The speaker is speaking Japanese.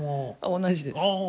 同じです。